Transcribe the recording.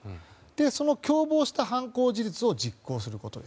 その共謀した犯行事実を実行すること。